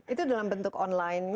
itu dalam bentuk online